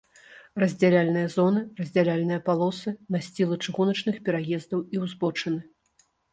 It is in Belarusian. Раздзяляльныя зоны, раздзяляльныя палосы, насцілы чыгуначных пераездаў і ўзбочыны